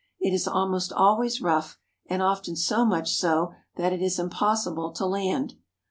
It is almost always rough and often so much so that it is impossible to land.